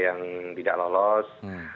yang tidak lolos